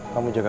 kamu jaga diri